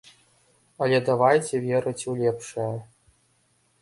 Але давайце верыць у лепшае!